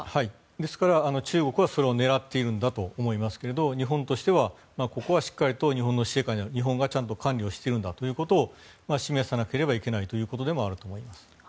ですから、中国はそれを狙っているんだと思いますけど日本としては、ここはしっかりと日本の施政下にある日本がちゃんと管理をしているんだということを示さなければいけないということでもあると思います。